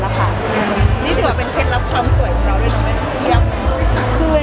สนุกไว้อยู่หรือมั้ย